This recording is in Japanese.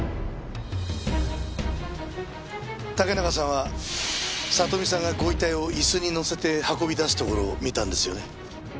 竹中さんは里美さんがご遺体を椅子にのせて運び出すところを見たんですよね？